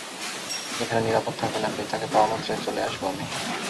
এখানে নিরাপদ থাকবেন আপনি, তাকে পাওয়া মাত্রই চলে আসবো আমি।